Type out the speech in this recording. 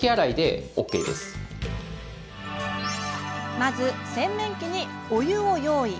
まず洗面器に、お湯を用意。